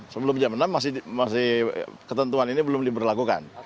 sebelum jam enam masih ketentuan ini belum diberlakukan